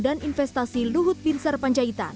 dan investasi luhut bintang